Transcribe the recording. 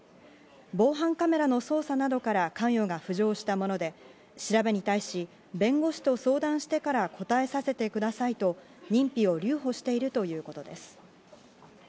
防犯カメラの捜査などから関与が浮上したもので、調べに対し、弁護士と相談してから答えさせてくださいと認否を留保しているということです。